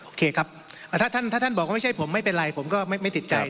โอเคครับถ้าท่านบอกว่าไม่ใช่ผมไม่เป็นไรผมก็ไม่ติดใจ